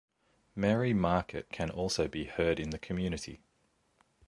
Marie market can also be heard in the community.